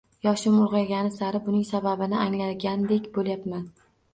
Yoshim ulg‘aygani sari buning sababini anglagandek bo‘lyapman.